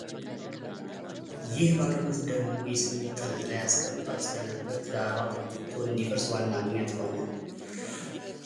ይህ ባዶነት ደግሞ የስሜት ጠርዝ ላይ አስቀምጧት ስለነበር ትዳሯ ተበጥብጦ እንዲፈርስ ዋና ምክንያት ሆነ።